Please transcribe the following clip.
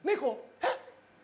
えっ？